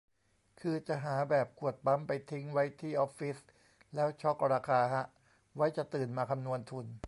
คือจะหาแบบขวดปั๊มไปทิ้งไว้ที่ออฟฟิศแล้วช็อกราคาฮะ ไว้จะตื่นมาคำนวณทุน